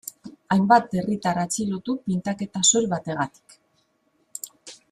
Hainbat herritar atxilotu pintaketa soil bategatik.